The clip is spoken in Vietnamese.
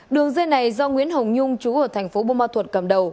đường dây này do nguyễn hồng nhung chú ở thành phố bô ma thuật cầm đầu